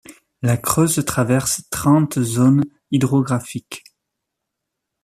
La Creuse traverse trente zones hydrographiques.